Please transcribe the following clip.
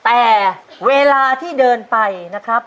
แต่เวลาที่เดินไปนะครับ